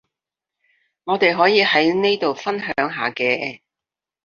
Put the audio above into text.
我哋可以喺呢度分享下嘅